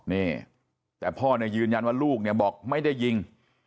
นี่แต่พ่อเนี่ยยืนยันว่าลูกเนี่ยบอกไม่ได้ยิง